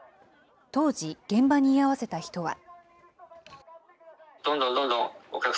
当時現場に居合わせた人は。